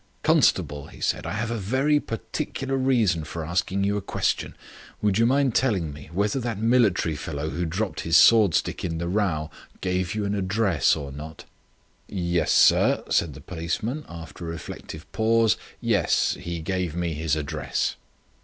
"Constable," he said, "I have a very particular reason for asking you a question. Would you mind telling me whether that military fellow who dropped his sword stick in the row gave you an address or not?" "Yes, sir," said the policeman, after a reflective pause; "yes, he gave me his address."